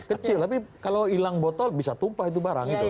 kecil tapi kalau ilang botol bisa tumpah itu barang gitu kan